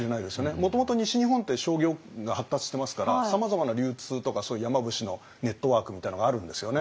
もともと西日本って商業が発達してますからさまざまな流通とかそういう山伏のネットワークみたいなのがあるんですよね。